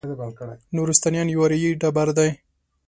نورستانیان یو اریایي ټبر دی.